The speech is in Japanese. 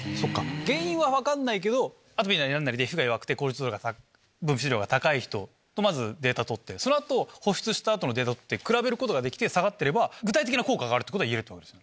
原因は分かんないけどアトピーなり皮膚が弱くてコルチゾールの分泌量が高い人データ取ってその後保湿した後のデータ取って比べることができて下がってれば具体的な効果があると言えるってことですね。